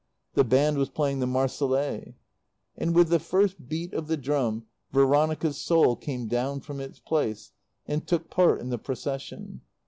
The band was playing the Marseillaise. And with the first beat of the drum Veronica's soul came down from its place, and took part in the Procession.